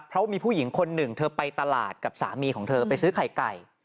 เพราะมีผู้หญิงคนหนึ่งเธอไปตลาดกับสามีของเธอไปซื้อไข่ไก่